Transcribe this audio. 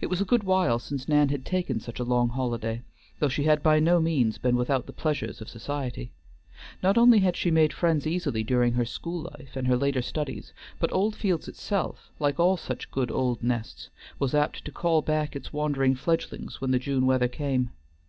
It was a good while since Nan had taken such a long holiday, though she had by no means been without the pleasures of society. Not only had she made friends easily during her school life and her later studies, but Oldfields itself, like all such good old nests, was apt to call back its wandering fledglings when the June weather came.